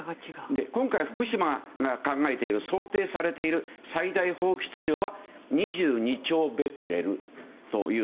今回、福島で想定されている最大放出量は２２兆ベクレルという。